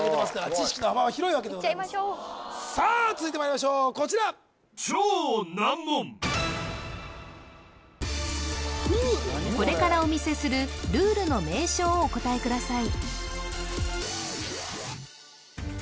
知識の幅は広いわけでございますいっちゃいましょうさあ続いてまいりましょうこちらこれからお見せするルールの名称をお答えください